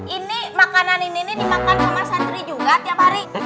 ini makanan ini dimakan rumah santri juga tiap hari